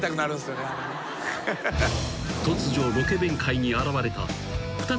［突如ロケ弁界に現れた］